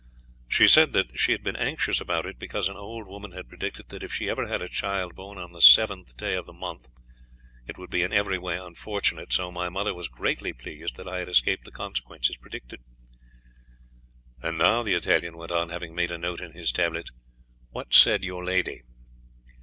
She said that she had been anxious about it, because an old woman had predicted that if she ever had a child born on the 7th day of the month, it would be in every way unfortunate; so my mother was greatly pleased that I had escaped the consequences predicted." "And now," the Italian went on, having made a note in his tablets, "what said your lady?"